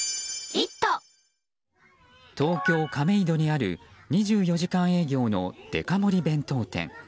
東京・亀戸にある２４時間営業のデカ盛り弁当店。